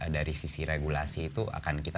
dari sisi regulasi itu akan kita